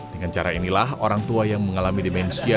dengan cara inilah orang tua yang mengalami demensia